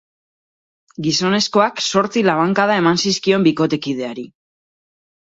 Gizonezkoak zortzi labankada eman zizkion bikotekideari.